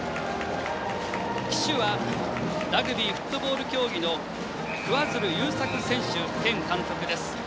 旗手はラグビーフットボール競技の桑水流裕策選手兼監督です。